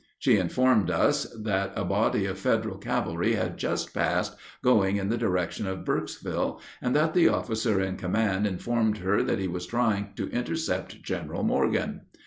She informed us that a body of Federal cavalry had just passed, going in the direction of Burkesville, and that the officer in command informed her that he was trying to intercept General Morgan.